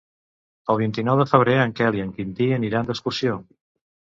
El vint-i-nou de febrer en Quel i en Quintí aniran d'excursió.